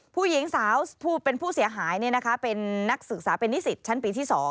ผู้หญิงสาวผู้เป็นผู้เสียหายเป็นนักศึกษาเป็นนิสิตชั้นปีที่๒